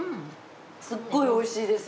すっごいおいしいです。